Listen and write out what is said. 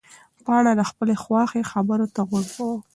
پاڼه د خپلې خواښې خبرو ته غوږ وه.